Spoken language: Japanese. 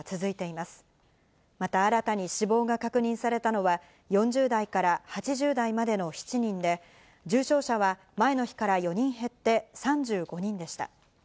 また新たに死亡が確認されたのは、４０代から８０代までの７人で、重症者は前の日から４人減って３５人でした。